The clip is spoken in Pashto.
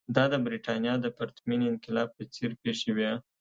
دا د برېټانیا د پرتمین انقلاب په څېر پېښې وې.